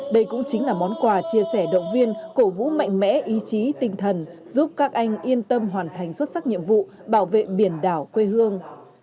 đây cũng chính là món quà chia sẻ động viên cổ vũ mạnh mẽ ý chí tinh thần giúp các anh yên tâm hoàn thành xuất sắc nhiệm vụ bảo vệ biển đảo quê hương